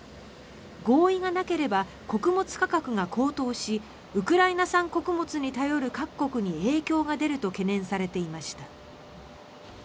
合意がなければ穀物価格が高騰しウクライナ産穀物に頼る各国に影響が出ると懸念されていました。